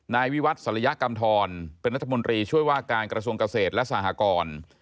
นายวิวัตรศัลยกำธรเป็นรัฐมนตรีช่วยว่าการกระทรวงเกษตรและสหกร